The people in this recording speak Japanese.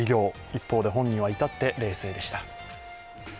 一方で、本人はいたって冷静でした。